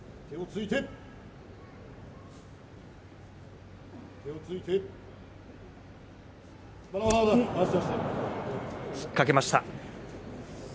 つっかけました。